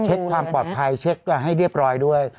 เช็คความปลอดภัยเช็คให้เรียบร้อยด้วย